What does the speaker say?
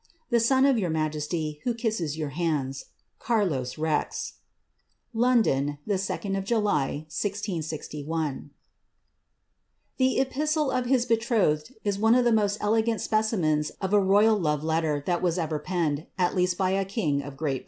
^ The son of your majesty, who kisses your hands, "CAmLos Rix. don, the 2d of July, 1061/' epistle to his betrothed is one of the most elegant specimens of I love letter that was ever penned, at least by a king of Great (ndon.